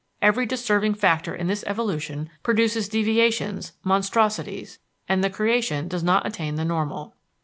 Every disturbing factor in this evolution produces deviations, monstrosities, and the creation does not attain the normal.